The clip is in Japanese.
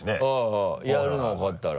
うんやるの分かったら。